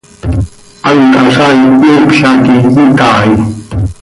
¿Hant hazaain cmiipla quih itaai?